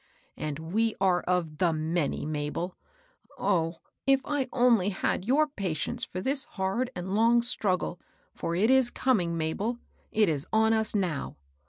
" And we are of the ' many,' Mabel. Oh, if I only had your patience for this hard and long struggle! for it is coming, Mabel, — it is on us now.